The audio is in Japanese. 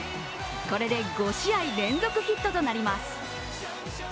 これで５試合連続ヒットとなります